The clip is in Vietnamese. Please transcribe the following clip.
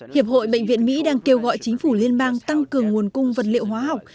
hiệp hội bệnh viện mỹ đang kêu gọi chính phủ liên bang tăng cường nguồn cung vật liệu hóa học